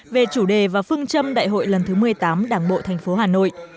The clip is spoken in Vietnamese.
về chủ đề và phương châm đại hội lần thứ một mươi tám đảng bộ tp hà nội